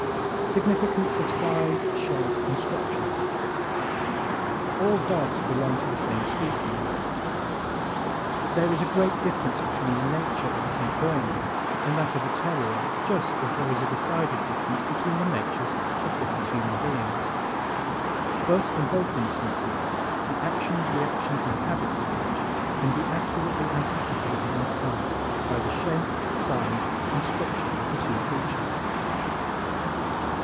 Significance of Size, Shape and Structure ¶ All dogs belong to the same species but there is a great difference between the "nature" of a St. Bernard and that of a terrier, just as there is a decided difference between the natures of different human beings. But in both instances the actions, reactions and habits of each can be accurately anticipated on sight by the shape, size and structure of the two creatures.